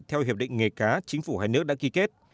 theo hiệp định nghề cá chính phủ hai nước đã ký kết